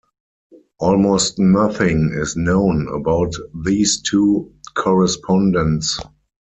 Almost nothing is known about these two correspondents.